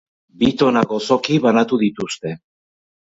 Bi tona gozoki banatu dituzte.